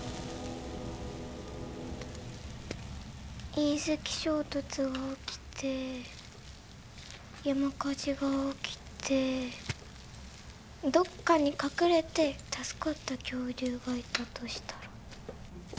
隕石衝突が起きて山火事が起きてどっかに隠れて助かった恐竜がいたとしたら。